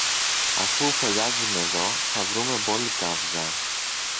Αφού φωλιάζουν εδώ, θα βρούμε μπόλικα αυγά.